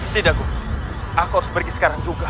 tidak ku aku harus pergi sekarang juga